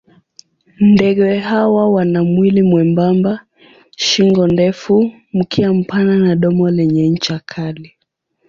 Ndege hawa wana mwili mwembamba, shingo ndefu, mkia mpana na domo lenye ncha kali.